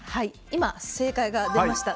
今、正解が出ました。